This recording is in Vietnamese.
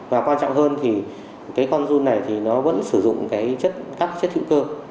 và quan trọng hơn thì cái con run này thì nó vẫn sử dụng cái chất hữu cơ